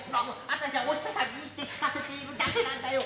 あたしゃお久さんに言って聞かせているだけなんだよ。